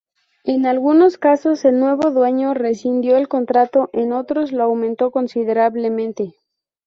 En algunos casos, el nuevo dueño rescindió el contrato; en otros, lo aumentó considerablemente.